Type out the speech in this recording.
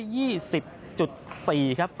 ๑๒๐๔นะครับ